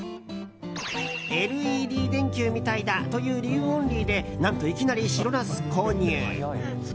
ＬＥＤ電球みたいだという理由オンリーで何と、いきなり白ナス購入。